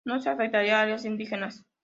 No se afectarían áreas indígenas.